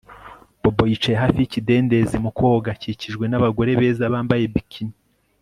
Bobo yicaye hafi yikidendezi mu koga akikijwe nabagore beza bambaye bikini